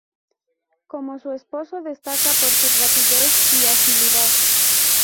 Como su esposo, destaca por su rapidez y agilidad.